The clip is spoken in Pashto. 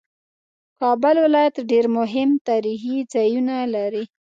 کابل ولایت ډېر مهم تاریخي ځایونه لري